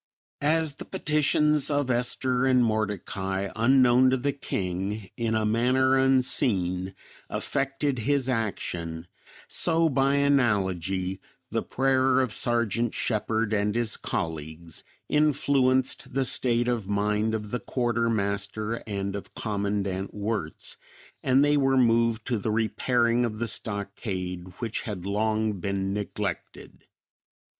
As the petitions of Esther and Mordecai, unknown to the King, in a manner unseen affected his action, so by analogy, the prayer of Sergeant Shepard and his colleagues influenced the state of mind of the quartermaster and of Commandant Wirtz and they were moved to the repairing of the stockade which had long been neglected.